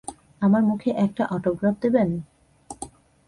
আমার মুখে একটা অটোগ্রাফ দেবেন?